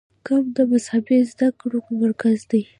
قم د مذهبي زده کړو مرکز دی.